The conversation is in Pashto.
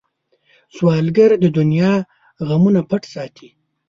سوالګر د دنیا غمونه پټ ساتي